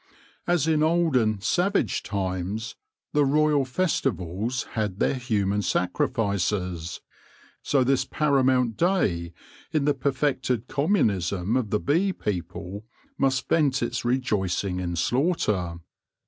As in olden, savage times, the royal festivals had their human sacrifices, so this paramount day in the per fected communism of the bee people must vent its rejoicing in slaughter.